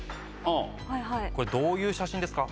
これどういう写真ですか？